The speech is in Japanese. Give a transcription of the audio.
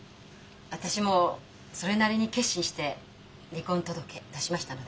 私もそれなりに決心して離婚届出しましたので。